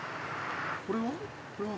これは？